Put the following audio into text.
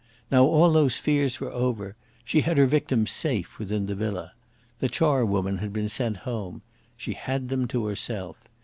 Now all those fears were over. She had her victims safe within the villa. The charwoman had been sent home. She had them to herself.